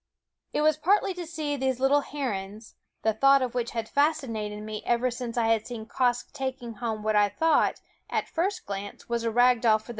It was partly to see these little herons, the thought of which had fascinated me ever THE WOODS since I had seen Quoskh taking home what I thought, at first glance, was a rag doll for Q un